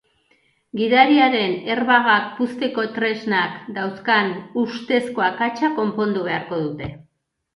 Gidariaren airbag-a puzteko tresnak daukan ustezko akatsa konponduko beharko dute.